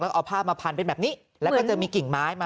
แล้วก็เอาผ้ามาพันเป็นแบบนี้แล้วก็จะมีกิ่งไม้มา